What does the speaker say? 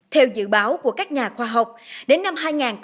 theo dự báo của các nhà khoa học đến năm hai nghìn hai mươi